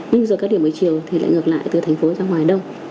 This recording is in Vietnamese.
nhưng giờ các điểm buổi chiều thì lại ngược lại từ thành phố ra ngoài đông